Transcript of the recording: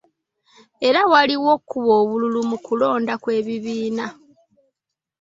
Era waliwo okubba obululu mu kulonda kw'ebibiina.